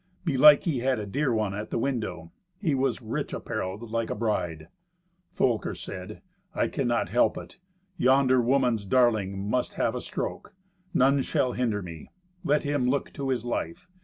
Belike he had a dear one at the window. He was rich apparelled like a bride. Folker said, "I cannot help it. Yonder woman's darling must have a stroke. None shall hinder me. Let him look to his life.